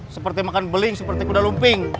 seperti makan beling seperti kuda lumping